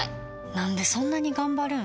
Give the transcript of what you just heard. なんでそんなに頑張るん？